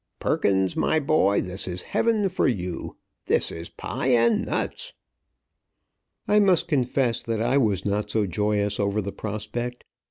Perkins, my boy, this is heaven for you! This is pie and nuts!" I must confess that I was not so joyous over the prospect.